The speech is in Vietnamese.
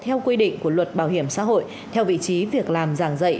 theo quy định của luật bảo hiểm xã hội theo vị trí việc làm giảng dạy